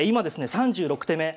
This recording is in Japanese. ３６手目。